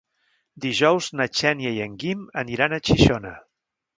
Dijous na Xènia i en Guim aniran a Xixona.